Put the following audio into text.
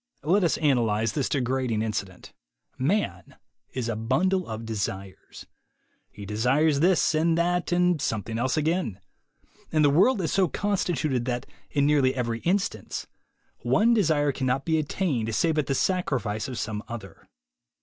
Let us analyze this degrading incident. Man is a bundle of desires. He desires this, and that, and something else again. And the world is so constituted that, in nearly every instance, one desire cannot be attained save at the sacrifice of some other.